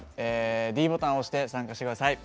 ｄボタンを押して参加してください。